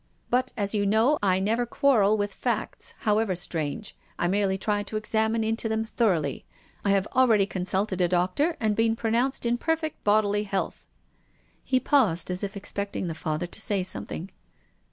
But, as you know, I never quarrel with facts, however strange. I merely try to examine into them thoroughly. I have already consulted a doctor and been pronounced in perfect bodily health. He paused, as if expecting the Father to say something.